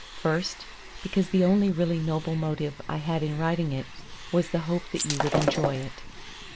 First: because the only really noble motive I had in writing it was the hope that you would enjoy it.